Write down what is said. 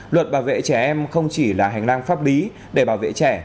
luật bảo vệ trẻ em không chỉ là hành lang pháp lý để bảo vệ trẻ